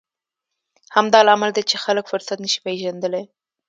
همدا لامل دی چې خلک فرصت نه شي پېژندلی.